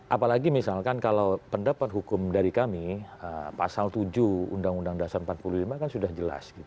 apalagi misalkan kalau pendapat hukum dari kami pasal tujuh undang undang dasar empat puluh lima kan sudah jelas